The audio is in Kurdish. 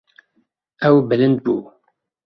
Ew bilind bû.